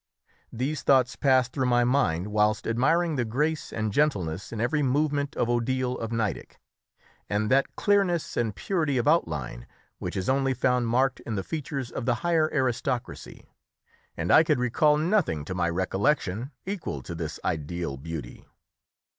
These thoughts passed through my mind whilst admiring the grace and gentleness in every movement of Odile of Nideck, and that clearness and purity of outline which is only found marked in the features of the higher aristocracy, and I could recall nothing to my recollection equal to this ideal beauty.